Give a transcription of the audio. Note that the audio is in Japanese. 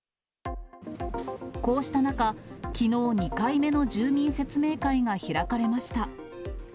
こうした中、きのう、２回目の住民説明会が開かれました。